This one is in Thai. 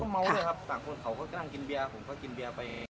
สองคนเขาก็กำลังกินเบียร์ผมก็กินเบียร์ไป